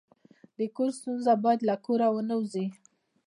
د کور ستونزه باید له کوره ونه وځي.